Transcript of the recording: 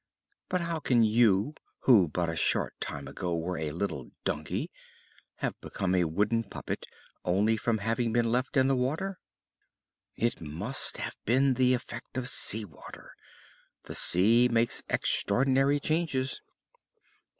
"But how can you, who but a short time ago were a little donkey, have become a wooden puppet, only from having been left in the water?" "It must have been the effect of sea water. The sea makes extraordinary changes."